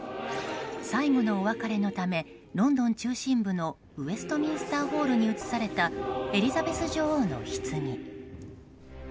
最後のお別れのためロンドン中心部のウェストミンスターホールに移されたエリザベス女王のひつぎ。